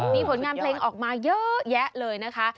มีผลงานเพลงออกมาเยอะแยะเลยนะคะ